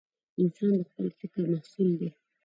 انسان د خپل فکر محصول دی.